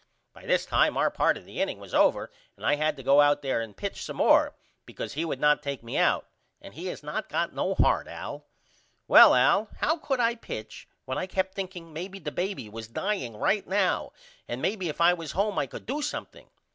By this time our part of the inning was over and I had to go out there and pitch some more because he would not take me out and he has not got no heart Al. Well Al how could I pitch when I kept thinking maybe the baby was dying right now and maybe if I was home I could do something?